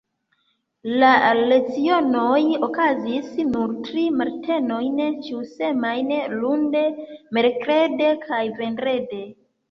La lecionoj okazis nur tri matenojn ĉiusemajne, lunde, merkrede kaj vendrede.